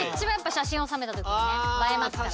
写真収めた時にね映えますから。